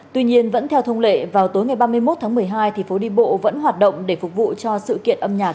tuy nhiên vẫn theo thông lệ vào tối ngày ba mươi một tháng một mươi hai phố đi bộ vẫn hoạt động để phục vụ cho sự kiện âm nhạc